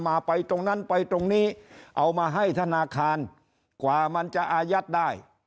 มาไปตรงนั้นไปตรงนี้เอามาให้ธนาคารกว่ามันจะอายัดได้